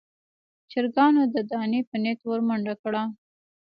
چرګانو د دانې په نيت ور منډه کړه.